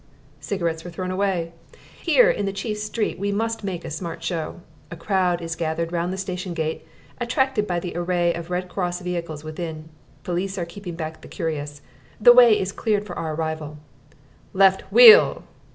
Cigarettes were thrown away. Here, in the chief street, we must make a smart show. A crowd is gathered round the station gate, attracted by the array of Red Cross vehicles within. Police are keeping back the curious. The way is cleared for our arrival. "Left wheel!"